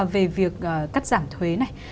về việc cắt giảm thuế này